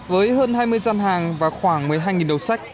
với hơn hai mươi gian hàng và khoảng một mươi hai đầu sách